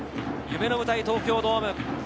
夢の舞台、東京ドーム。